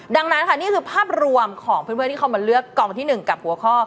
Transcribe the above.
ดังนั้นค่ะนี่คือภาพรวมของเพื่อนที่เข้ามาเลือกกองที่๑กับหัวข้อ